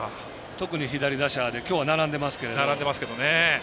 特に左打者今日は並んでますけど。